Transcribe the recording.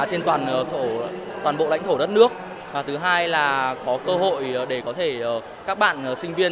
trên toàn bộ lãnh thổ đất nước và thứ hai là có cơ hội để có thể các bạn sinh viên